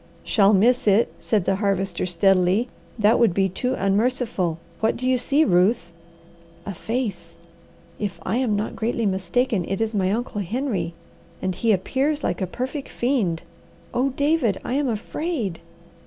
"Shall miss it," said the Harvester steadily. "That would be too unmerciful. What do you see, Ruth?" "A face. If I am not greatly mistaken, it is my Uncle Henry and he appears like a perfect fiend. Oh David, I am afraid!"